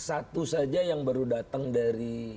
satu saja yang baru datang dari